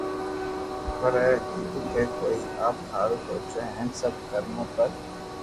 پر اپي ڪدي بو ڪوئئي آپ ھاارون سوچو ھين سب ڪومون نر